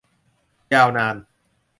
ยาวนาน